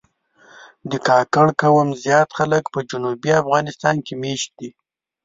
د کاکړ قوم زیات خلک په جنوبي افغانستان کې مېشت دي.